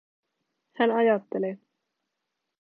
Hän ajattelee.